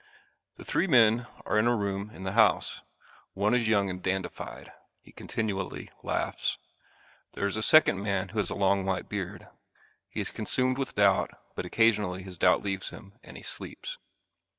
The three men are in a room in the house. One is young and dandified. He continually laughs. There is a second man who has a long white beard. He is consumed with doubt but occasionally his doubt leaves him and he sleeps.